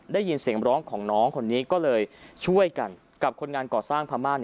ได้ยินเสียงร้องของน้องคนนี้ก็เลยช่วยกันกับคนงานก่อสร้างพม่า